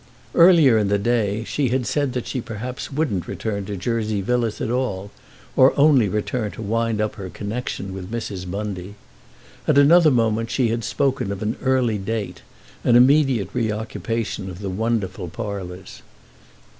Earlier in the day she had said that she perhaps wouldn't return to Jersey Villas at all, or only return to wind up her connection with Mrs. Bundy. At another moment she had spoken of an early date, an immediate reoccupation of the wonderful parlours.